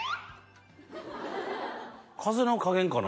風の加減かな？